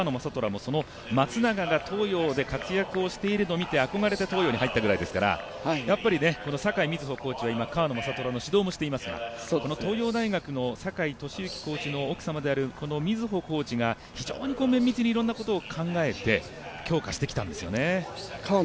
虎もその松永が東洋で活躍をしているのを見て憧れて東洋に入ったぐらいですから酒井瑞穂コーチは、川野将虎の指導もしていますが、東洋大学の酒井俊幸コーチの奥様であるこの瑞穂コーチが綿密にいろんなことを考えて強化してきたんですよね。